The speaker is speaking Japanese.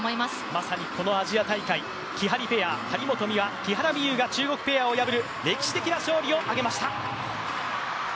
まさにこのアジア大会、きはりペア、張本美和・木原美悠が中国ペアを破る歴史的な勝利を挙げました。